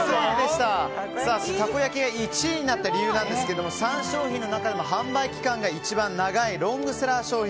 たこ焼きが１位になった理由ですが３商品の中でも販売期間が一番長いロングセラー商品。